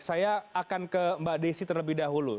saya akan ke mbak desi terlebih dahulu